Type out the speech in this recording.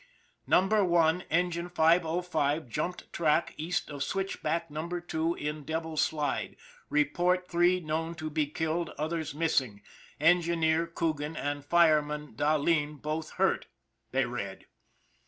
" Number One, engine 505, jumped track east of switch back number two in Devil's Slide. Report three known to be killed, others missing. Engineer Coogan and fireman Dahleen both hurt," they read.